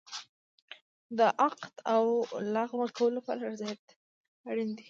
د عقد او لغوه کولو لپاره رضایت اړین دی.